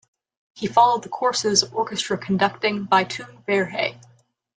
He followed the courses of orchestra conducting by Toon Verhey.